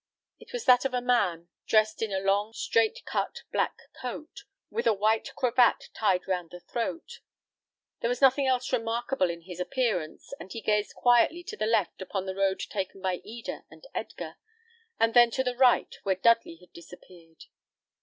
It was that of a man, dressed in a long straight cut black coat, with a white cravat tied round the throat. There was nothing else remarkable in his appearance, and he gazed quietly to the left, upon the road taken by Eda and Edgar, and then to the right, where Dudley had disappeared.